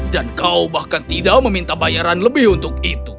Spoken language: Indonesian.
dan kau bahkan tidak meminta bayaran lebih untuk itu